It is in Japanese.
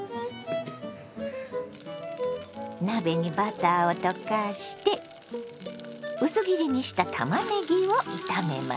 鍋にバターを溶かして薄切りにしたたまねぎを炒めます。